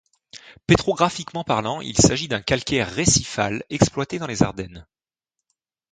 Pétrographiquement parlant, il s'agit d'un calcaire récifal exploité dans les Ardennes.